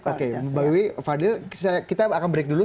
oke mbak iwi fadhil kita akan break dulu